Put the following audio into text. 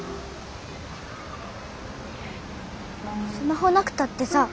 スマホなくたってさ。